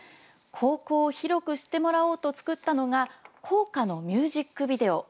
高校を広く知ってもらおうと作ったのが校歌のミュージックビデオ。